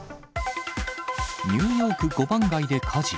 ニューヨーク五番街で火事。